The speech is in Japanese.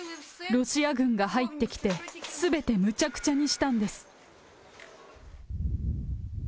ロシア軍が入ってきて、すべてむちゃくちゃにしたんです。